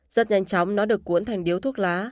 rất nhanh chóng nó được cuốn thành điếu thuốc lá